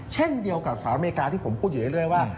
เช่นเดียวกับสหรัฐอเมริกาที่ผมพูดอยู่เรื่อยว่า